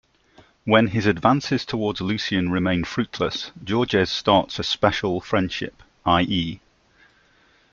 When his advances towards Lucien remain fruitless, Georges starts a "special friendship", i.e.